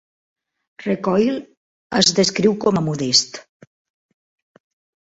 Recoil es descriu com a modest.